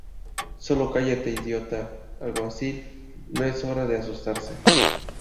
¡ Sólo cállate, idiota! Alguacil, no es hora de asustarse.